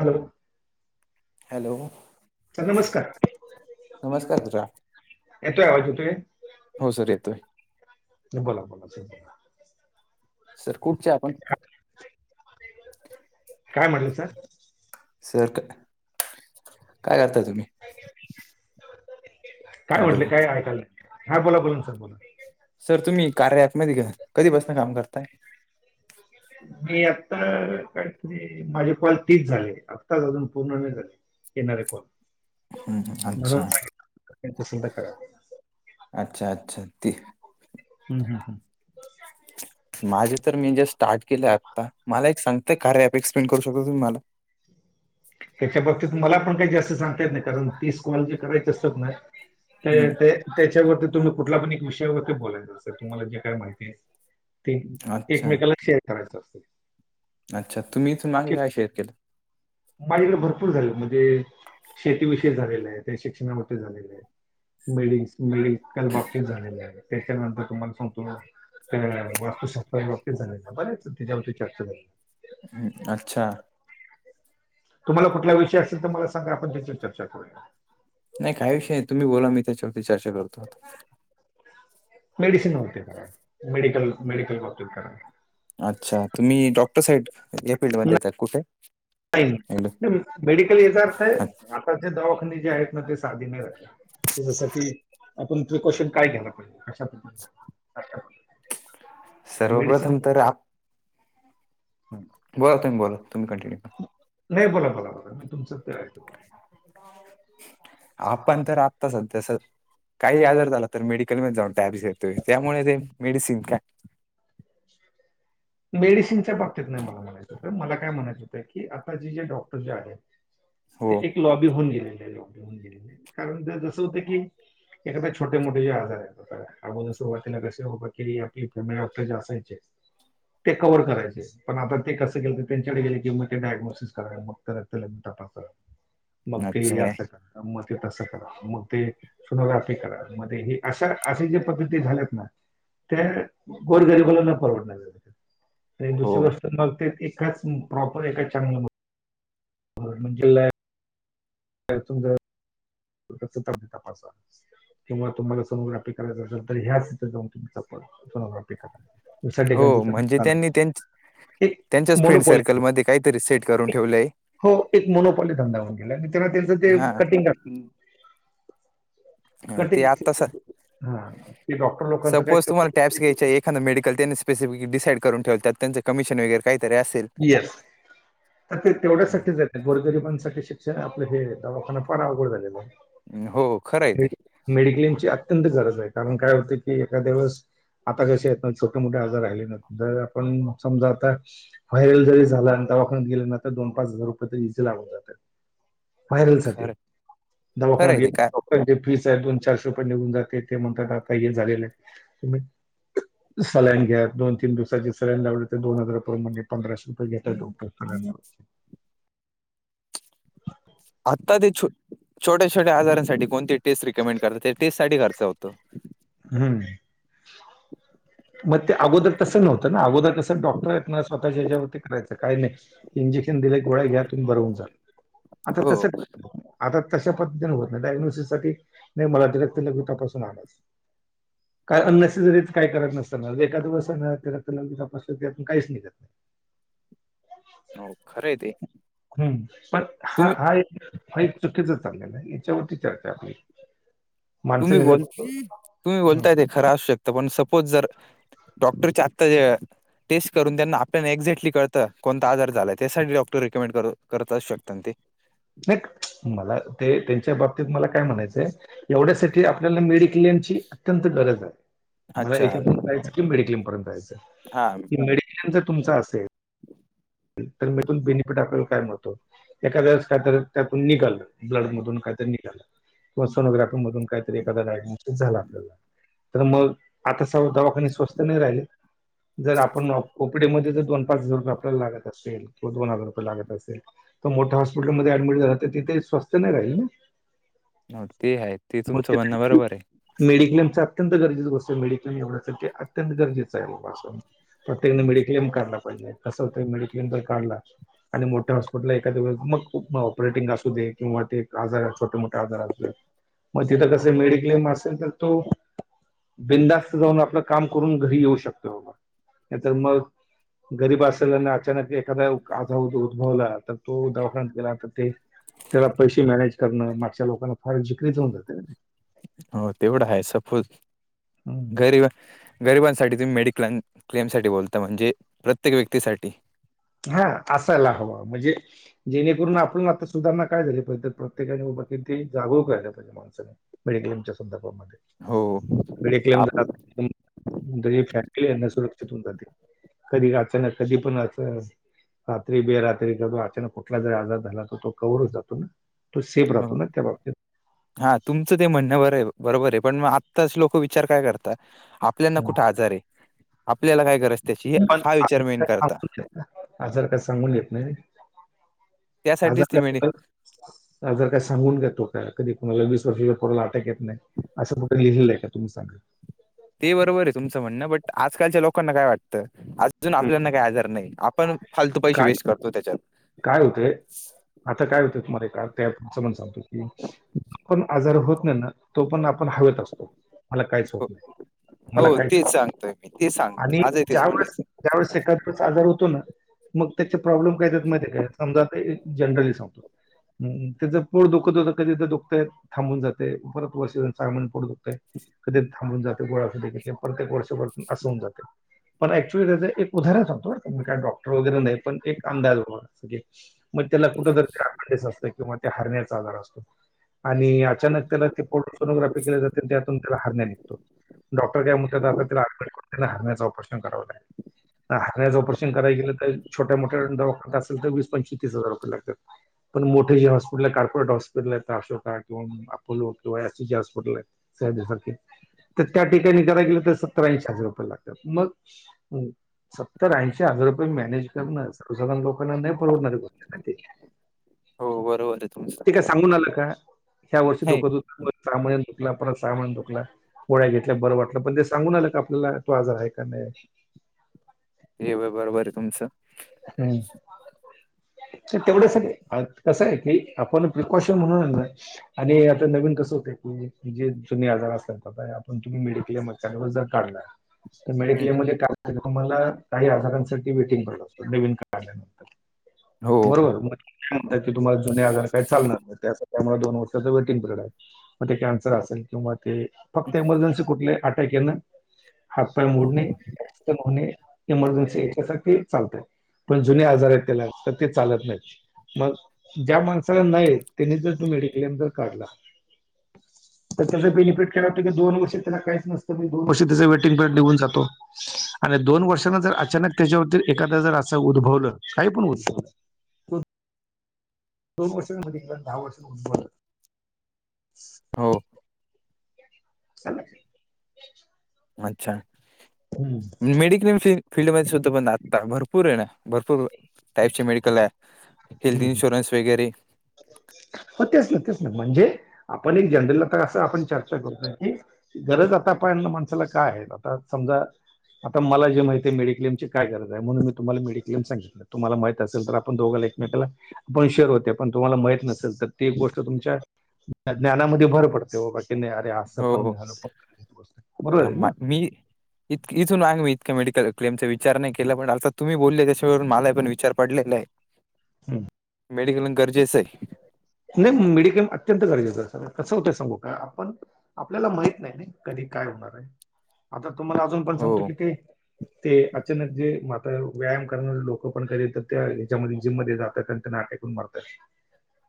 Hello hello sir नमस्कार नमस्कार मित्रां येतोय आवाज येतोय हो सर येतोय बोला बोला बोला सर कुठचे आपण काय म्हणल सर सर का काय करता तुम्ही काय हॅलो म्हटले काय ऐकायलं हा बोला बोलून सर बोला सर तुम्ही कार्या ॲपमध्ये घे कधी पासून काम करताय मी आता काय माझे कॉल तीस झाले आत्ताच अजून पूर्ण नाही झाले येणारे कोण हम्म, म्हणून अच्छा सांगितलं त्याचं पूर्ण करा अच्छा अच्छा ते ह हहम [unintelligible] माझे तर मी जे स्टार्ट केलं आत्ता मला एक सांगतय कार्य एक्सप्लेन करू शकतो तुम्ही मला त्याच्या बाबतीत मला पण काही जास्त सांगता येत नाही कारण तीस कॉल जे करायच असत नाही हम्म, त्याच्यावरती तुम्ही कुठल्या पण एक विषयावरती बोलायच सर तुम्हाला जे काय माहिती आहे ते अच्छा एकमेकाला शेअर करायच असते अच्छा तुम्ही त मागे काय शेअर केलं माझला भरपूर झाले म्हणजे शेतीविषयी झालेलं आहे त्या शिक्षणामध्ये झालेलं आहे मिळीस मिळीस काल बाबतीत झालेल्या आहे त्याच्यानंतर तुम्हाला सांगतो म वास्तू शास्त्राच्या बाबतीत झाले बरेच त्याच्यावरती चर्चा झाले अच्छा तुम्हाला कुठला विषय असेल तर मला सांगा आपण त्याची चर्चा करूया नाही काही विषय नाही तुम्ही बोला मी त्याच्यावरती चर्चा करतो मेडसिन वरती करा मेडिकल मेडिकल वरती करा अच्छा तुम्ही डॉक्टर साईड या फील्डमध्ये येतात कुठे नाही नाही, मेडिकल याचा अर्थ आहे अच्छा. आताचे दवाखाने जे आहेत ना ते साधी नाही म्हणजे जस की आपण प्रिकॉशन काय घ्यायला पाहिजे कशा बद्दल सर्वप्रथम तर आप हम बोला तुम्ही बोला तुम्ही कंटिन्यू करा नाही बोला बोला बोला मी तुमचं ऐकतो हो आपण तर आत्ता सध्यास काही आजार झाला तर मेडिकल मध्ये जाऊन टॅबस घेतोय त्यामुळे ते मेडिसिन काय मेडिसिनच्या बाबतीत नाही मला म्हणायचं होतं मला काय म्हणायचं होतं की आता जे जे डॉक्टर जे आहेत ते हो एक लॉबी होऊन गेलेली आहे कारण जसं होतं की एखाद्या छोटे मोठे जे आजार आहेत अगोदर सुरुवातीला कसे आपले फॅमिली डॉक्टर जे असायचे ते कववर करायचे पण आता ते कसं केलं तर त्यांच्याकडे गेले की मग ते डायग्नोसिस कराय मग नंतर तपासा. [inaudible] मग ते काय आसं करा, मं ते तसं करा. मग ते सोनोग्राफी करा मध्ये हे अशा अशे जे प्रकृती झाल्यातं ना त्या गोरंगरीबालानं परवडणार नाही. ते हो दुसरी गोष्ट मग ते एकाच प्रॉपर एकाच चॅनल वर [unintelligible] म्हणजे लॅब तर तुमचं रक्त लघवी तपासा किंवा तुम्हाला सोनोग्राफी करायचं असेल तर ह्याच इथे जाऊन तुमचा सोनोग्राफी करा. दुसऱ्या हो ठिकाणी त्यांना म्हणजे चालत त्यांनी नाही त्यांच एक त्यांच्याच फ्रेंड मोनोपॉली सर्कलमध्ये काहीतरी सेट करून ठेवलंय हो ते एक मोनोपॉल धंदा होऊन गेला, आणि त्याना त्यांचं ते हा कटिंग असतील हं ते आत्ता स्- हा [unintelligible] ते डॉक्टर लोकांचं सपोज तुम्हाला टॅप्बस काय घ्यायचे आहे एखादं मेडिकल त्यांने स्पेसिफिक डिसाईड करून ठेवतात, त्यांंच कमिशन वगैर काही तरीे असेल. येस तर ते हा. तेवढ्यासाठी जर आणि गोरगरीबांसाठी शिक्षण, आपलं हे दवाखाना फार अवघड झालेलं आहे. हं हो खरं ये ते. मेडि- मेडिक्लेमची अत्यंत गरज आहे, कारण काय होतं की एखाद्या वेळस आता कसे आहेत ना छोटे-मोठे आजार राहिले ना जर आपण समजा आता व्हायरल जरी झाला आणि दवाखन्यात गेलो ना, तर दोन पाच हजार रुपये तर निसते लागून जात्या. व्हायरल साठी खरं खरं दवाखन्यात आहे ते गेल [unintelligible] काय म्हणेजे फीसच आहे दोन चारशे रुपये निघून जाते, ते म्हणतात आता हे झालेलं आहे सलाईन घ्या, दोन तीन दिवसाची सलाईन लावले त दोन हजार रुपए म्हणजे पंधराशे रुपये घेतात डॉक्टर सालाईन लावायचे. आता ते छोट, छोट्या -छोट्या आजारांसाठी कोणते टेस्ट रिकमेंड करतात, त्या टेस्ट साठी खर्च होता तो, हम्म, [inaudible] मग ते अगोदर तसं नव्हतं ना, अगोदर कसं डॉक्टर आहेत ना स्वतःच्या् याच्यावरती करायचे काही नाही इंजेक्शन दिले गोळ्या घ्या तुम्ही बर होवून जाल, आता हो तसं [unintelligible] आता तशा पद्धतीने होत नाही, डाग्नोसिस साठी नाही मला ते रक्त लघवी तपासून आणाचं काय अन-नेसेसरीज काय करत नसताना एखादं वेळेस रक्त लघवी तपासुन त्यातून काहीच निघत नाही. हो खरं ये ते. हम्म, पण हा तुम्ही -हा एक हे चुकीचं चाललेलं आहे, याच्यावरती चर्चा आपली माणसं तुम्ही बोलं - निघत तुम्ही बोलतायं ते खरं असू शकतं, पण सपोज जर डॉक्टर च्या आत्ता ह्या टेस्ट करून त्यांना आपल्याला एक्झॅक्टली कळतं कोणता आजार झालाय, त्यासाठी डॉक्टर रिकमेंड करत आसु शकतात ना ते. नाही मला ते त्यांच्या बाबतीत मला काय म्हणायचंय, एवढ्यासाठी आपल्याला मेडिक्लेम ची, अत्यंत गरज आहे, मला अच्छा याच्यातून हेच कि मेड्लेम पर्यंतयचं जायचं आहे. हा. मेडिक्लेम जर तुमचा असेल तर मधुन बेनिफिट आपल्याला काय मिळतो? एखादेळेस काय तर त्यातून निघालं, ब्लड मधून कायतर निघालं किंवा सोनोग्राफी मधून काहीतरी एखादा डायगनोस्टीक झाला‌ आपल्याला तर मग आता सर्व दवाखाने स्वस्त नाही राहिले. जर आपण ओ पी डी मध्ये जर दोन पाच हजार रुपये आपल्याला लागत असेल किंवा दोन हजार रुपये लागत असेल त मोठ्या हॉस्पिटलमध्ये ॲडमिट झाल्यावर तर ते स्वस्त नाही राहील न. हो ते आहे, ते तुमचं म्हण बरोबर आहे. मेडिक्लेम चा अत्यंत गरजेच गोष्ट आहे मेडीक्लेम एवढ्यासाठी अत्यंत गरजेचं आहे बाबा अस प्रत्येकान मेडिक्लेम काढला पाहिजे कसं होतं मेडिक्लेम जर काढला आणि मोठ्या हॉस्पिटल एखाद्या वेळेस मग ऑपरेटिंग असू दे किंवा ते आजार छोटे मोठे आजार अस मग तिथं कस मेडिक्लेम असेल, तर तो बिंदास्त जाऊन आपलं काम करून घरी येऊ शकतो बाबा. नाही तर मग गरीब असेल आणि आत त्यांना ते एखादा आजा उद्भवला तर तो दवाखान्यात गेला तर ते त्याला पैसे मॅनेज करणं मागच्या लोकांना फार जिक्रीच होऊन जाते न ते. हो तेवढा आहे, सपोज गरीबां गरिबांसाठी तुम्ही मेडिक्लेम क्लेमसाठी बोलता म्हणजे प्रत्येक व्यक्तीसाठी हा असायला हव म्हणजे जेणेकरून आपण आता सुधारणा काय झाली पाहिजे प्रत्येका [unintelligible] जागृक रहायला पाहिजे. माणसाने मेडिक्लेमच्या संदर्भामध्ये हो मेडिक्लेम आप जे फॅमिली यांना सुरक्षित होन जाते, कधी अचानक कधी पण असं रात्री बेरात्री कर तो अचानक कुठला जर आजार झाला, तर तो कवर होऊन जातो न. तो सेफ राहतो हो. ना त्या बाबतीत. हा तुमचं ते म्हणणं बर आहे बरोबर आहे, पण मग आत्ताच लोक विचार काय करता आप ल्याना कुठ हम्म. आजार आहे, आपल्याला काय गरज त्याची पण हा आजार विचार मेन काय करता. आजार काय सांगून येत नाही व त्यासाठीच ती आजार मेडी का आजार काय सांगून येतो का? कधी कोणाला वीस वर्षाच्या पोराला अटॅक येत नाही. असं कुठे लिहिलं आहे तुम्ही सांगा? ते बरोबर आहे तुमचं म्हणणं, बट आजकालच्या लोकांना काय वाटतं अजून आपल्याना काय आजार नाही आपण फालतू पैसे काय वेस्ट करतोय त्याच्यात. काय होते? आता काय होते तुम्हाला का ते तुमचं म्हणणं सांगतो की पण आजार होत नाही ना तो पण आपण हवेत असतो. मला कायच होत हो नाही, मला हो, कायच तेच सांगतोय मी ते सांग आणि माझं ज्या तेच वळेस म्हणायचं ज्यावेळेस एखादा प्रस आजार होतो ना, मग त्याचे प्रॉब्लेम काय होतात माहिती आहे का जातंय जनरली सांगतो हम्म त्याच पोट दुखत होत कधी दुखतंय थांबून जातेय, परत वर्ष साहा महीने पोट दुख ते कधी थांबून जाते गोळ्या औषध प्रत्येक वर्षभरातून अस होऊन जातंय. पण ऍक्च्युली त्याच एक उदाहरण सांगतो मी काय डॉक्टर वगैरे नाही, पण एक अंदाज बाबा मग त्याला कुठ तर अपेंडिक्स असते किंवा त्या हर्नियाचा आजार असतो. आणि अचानक त्याला ते पोटोनोग्राफी केल्या जाते, त्यातून त्याला हर्निया निघतो. डॉक्टर काय म्हणतात आता तेला ॲडमीट करून त्याला हर्नियाचं ऑपरेशन कराव लागेल. हर्नियाच ऑपरेशन कराय गेलं तर छोट्या मोठ्या दवाखान्यात असेल, तर वीस पंचवीस तीस हजार रुपये लागत्यात. पण मोठे जे हॉस्पिटल आहे कॉर्पोरे हॉस्पिटल आहेत अशोका किंवा अपोलोिंवासी असे जे हॉस्पिटल आहेत. [unintelligible] सारखे तर त्या ठिकाणी कराय गेलं तर सत्तर ऐंशी हजार रुपये लागतात मग सत्तर ऐंशी हजार रुपये मॅनेज करन सर्वसाधारण लोक कांना नाही परवडणार बॉ ते, हो बरोबर आहे तुमचं ते काय सांगून आलं का? ह्या वर्षी नाही डोक दु परत सहा दुखला, परत सहा महिन्यान दुखला. गोळ्या घेतल्या बरं वाटलं, पण ते सांगून आलं का आपल्याला तो आजार आहे का नाही. हे बरोबर आहे तुमचं. हम्म. तर तेवढ्यासाठी कसं आहे की आपण प्रिकॉशन म्हणून आणि आता नवीन कसं होत की जे जुने आजार असतात. आपण तुम्ही मिडिकल्या मकवर जर काढला तर हम्म, मेडिक्लेम म काही आजारांसाठी वेटिंग जी हो बरोबर म म्हण क तुम्हाला जुने आजार काय चालणार नाही त्यासाठी त्यामुळे दोन वर्षाच वेटिंग पिरिड आहे मग ते कॅन्सर असेल किंवा ते फक्त एमर्जन्सी कुठली अटॅक येन हातपाय मोडणे होणे इमर्जन्सी याच्यासाठी चालत. पण जुने आजार आहेत त्याला तर ते चालत नाही. मग ज्या माणसाला नाही त्यांनी जर तू मेडिक्लेम जर काढला [inaudible] तर त्याच बेनिफिट काय होतं की दोन वर्ष त्याला काहीच नसत ते दोन वर्ष त्याच वेटिंग पिरीयड निघून जातो. आणि दोन वर्षांने जर अचानक त्याच्यावरती एखादा जर असं उद्भवलं काही पण उद्भवल दोन वर्षांमध्ये, किंवा दहा वर्षां उद्भव हो. [inaudible] [inaudible] अच्छा! मेडिकल विषयी फीलल्डमध्ये सुद्धा पण आता भरपूर आहे ना भरपूर टाईपचे मेडिकल आहे. हेल्थ इनशुरन् वगैरे हो तेच ना तेच ना म्हणजे आपण एक जनरल आता असं आपण चर्चा करतोय की गरज आता पाळण माणसाला काय आहेत आता समजा आता मला जे माहिती आहे मेडीक्लेमची काय गरज आहे म्हणून मी तुम्हाला मेडिक्लेम सांगितलं. तुम्हाला माहित असेल तर आपण दोघाले एकमेकाला आपण शेअर होते पण तुम्हाला माहित नसेल तर ते गोष्ट तुमच्या ज्ञानामध्ये भर पडते बा बा की नाही अरे असं हो पण हो. जान पण बरोबर हा, आहे ना. मा- मी इत इथूनांग मी इतक मेडिकल क्लेमचा विचार नाही केला पण आता तुम्ही बोललेय त्याच्यावरून मला पण विचार पडलेला आहे. [inaudible] [inaudible] मेडिक्लेम गरजेच आहे. नाही मिडिक्लेम अत्यंत गरजेचं आहे स कसं होतंय सांगू का आपण आपल्याला माहीत नाही कधी काय होणार आहे. आता तुम्हाला अजून पण हो सांगतो कि ते ते अचानक जे. व्यायाम करणार लोक पण कधी त्या ह्याच्यामध्ये जिममध्ये जातात आणि ते अटॅक येऊन मरतात.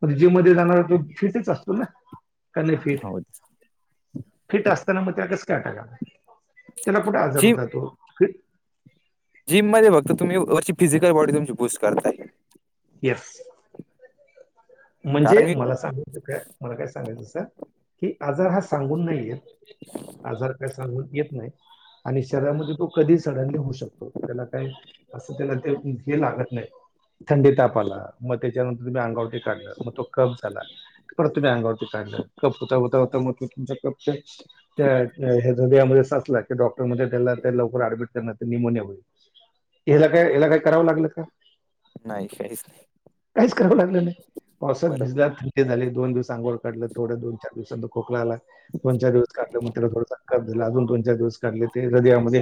म्हणजे जिम मध्ये जाणार तो फिटच असतो ना कार नाही फिट. हो फिट असताना मग त्याला कस काय अटॅक आला, त्याला कुठे आजार जिम होत तो जिम मध्ये फक्त तुम्ही अशी फिजिकल बॉडी तुमची बूस्ट करताय. येस. कारण म्हणजे मी मला सांगायचं का मला काय सांगायचं अस की आजार हा सांगून नाही येत. आजार काय सांगून येत नाही. आणि शरीरामध्ये तो कधी सडनली होऊ शकतो त्याला काय असं त्याला ते हे लागत नाही थंडी ताप आला मग त्याच्यानंतर त अंगावर काढलं मग तो कप झाला परत तुम्ही अंगावरती काढलं कप होता होता होता मग तुमच्या कप ह्यामध्ये सचला की डॉक्टर मध्ये त्याला लवकर ऍडमिट कर निमोनिया होईल. हेला काय, हेला काय करावं लागलं का? नाही काहीच नाही. काहीच करावं लागलं नाही. पावसात बरोबर भिजत ते झाले एक दोन दिवस आंगोळ काढलं थोढं दोन-चार दिवसां खोकला आला. दोन-चार दिवस काढल त्याला थोड झाला अजून दोन-चार दिवस. काढले ते झाले [unintelligible] मध्ये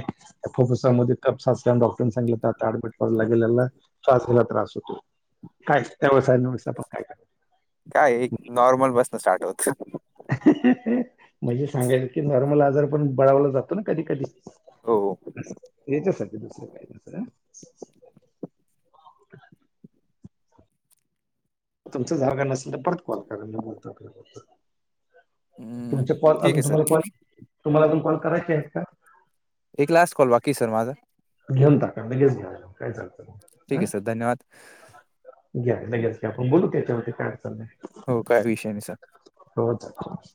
कपसा असल्यामुळ तेने सांगितले [unintelligible] [unintelligible] ला शवासेला त्रास होतो. काय व्यवसाय्यव पण [unintelligible] काय. काय एक नॉर्मल बसनं स्टार्ट होत. म्हणजे सांगायच की नॉर्मल आजार पण बळावला जातो ना कधी-कधी. हो असं याच्यासाठी दुसर काही नाही सोडा. तुमचं झालं नसेल तर परत कॉल करा मी बोलतो आपल्याबदल. हम्म, तुमचा कॉल ठीक अजून आहे सर तुम्हाला कॉल तुम्हाला अजून कॉल करायचे आहेत का? एक लास्ट कॉल बाकी ये सर माझा. घेऊन टाका लगेच घ्या काय ठीक चालतं. आहे सर धन्यवाद घ्या लगेच घ्या आपण बोलू त्याच्यावरती काय अडचण नाही. हो काय विषय नाही सर. होत [unintelligible]